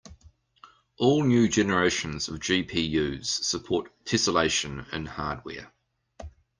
All new generations of GPUs support tesselation in hardware.